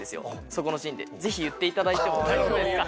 そこのシーンでぜひ言っていただいても大丈夫ですか？